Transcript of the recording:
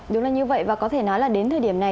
đúng là như vậy và có thể nói là đến thời điểm này